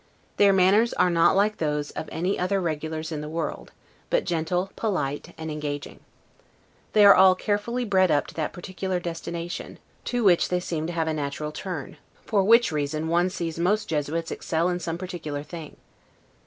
Their manners are not like those of any other regulars in the world, but gentle, polite, and engaging. They are all carefully bred up to that particular destination, to which they seem to have a natural turn; for which reason one sees most Jesuits excel in some particular thing.